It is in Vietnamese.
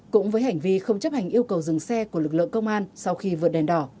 cũng với hành vi không chấp hành yêu cầu dừng xe của lực lượng công an sau khi vượt đèn đỏ